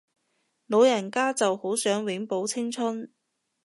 老人家就好想永葆青春